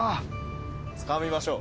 つかみましょう。